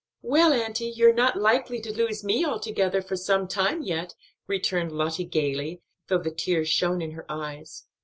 "Well, auntie, you're not likely to lose me altogether for some time yet," returned Lottie gayly, though the tears shone in her eyes.